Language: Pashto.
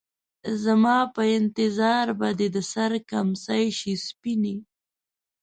زما په انتظار به دې د سـر کمڅـۍ شي سپينې